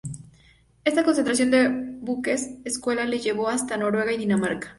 Esta concentración de buques escuela les llevó hasta Noruega y Dinamarca.